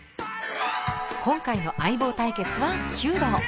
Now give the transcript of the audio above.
今回の相棒対決は弓道。